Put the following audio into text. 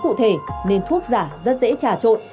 quản lý cụ thể nên thuốc giả rất dễ trả trộn